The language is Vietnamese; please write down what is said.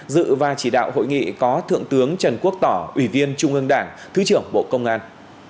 dự và chỉ đạo hội nghị có thượng tướng trần quốc tỏ ủy viên trung ương đảng thứ trưởng bộ công an